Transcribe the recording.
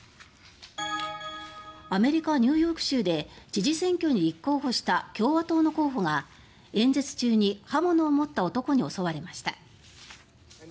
アメリカ・ニューヨーク州で知事選挙に立候補した共和党の候補が演説中に刃物を持った男に襲われました。